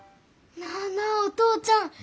なあなあお父ちゃん。